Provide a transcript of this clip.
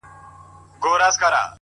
هوښیاري د سم انتخاب نوم دی،